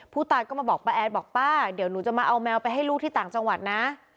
ผู้ตายก็มาบอกป้าแอดบอกป้าเดี๋ยวหนูจะมาเอาแมวไปให้ลูกที่ต่างจังหวัดนะ